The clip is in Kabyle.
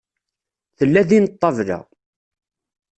Tella din ṭṭabla.